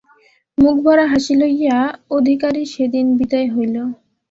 মুখভরা হাসি লাইয়া অধিকারী সেদিন বিদায় হইল।